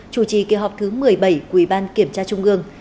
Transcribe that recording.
chủ trì kỳ họp thứ một mươi bảy của ủy ban kiểm tra trung ương